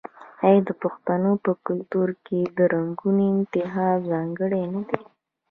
آیا د پښتنو په کلتور کې د رنګونو انتخاب ځانګړی نه دی؟